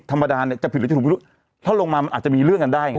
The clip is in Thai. ธรรมดาเนี่ยจะผิดหรือจะถูกไม่รู้ถ้าลงมามันอาจจะมีเรื่องกันได้ไง